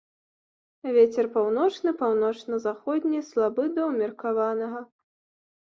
Вецер паўночны, паўночна-заходні слабы да умеркаванага.